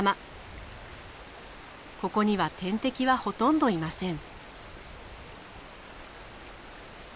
ここには天敵はほとんどいません。